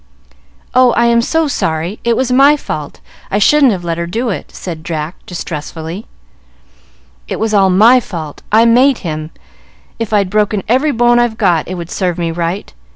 "Oh, I am so sorry! It was my fault; I shouldn't have let her do it," said Jack, distressfully. "It was all my fault; I made him. If I'd broken every bone I've got, it would serve me right.